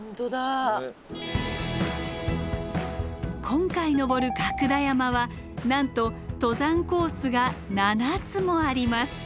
今回登る角田山はなんと登山コースが７つもあります。